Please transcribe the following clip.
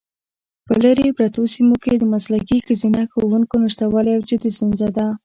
په لیرې پرتو سیمو کې د مسلکي ښځینه ښوونکو نشتوالی یوه جدي ستونزه ده.